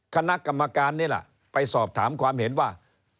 คณะกรรมการนี่แหละไปสอบถามความเห็นว่า